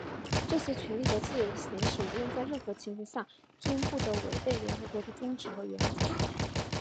这些权利和自由的行使,无论在任何情形下均不得违背联合国的宗旨和原则。